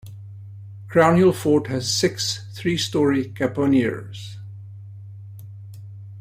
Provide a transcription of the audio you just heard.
Crownhill Fort has six three-storey caponiers.